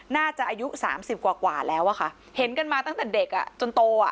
น่าจะอายุ๓๐กว่าแล้วค่ะเห็นกันมาตั้งแต่เด็กจนโต